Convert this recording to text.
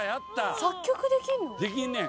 作曲できるの？